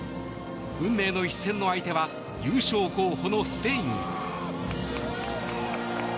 運命の一戦の相手は優勝候補のスペイン。